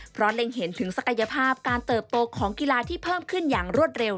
เพราะเล็งเห็นถึงศักยภาพการเติบโตของกีฬาที่เพิ่มขึ้นอย่างรวดเร็ว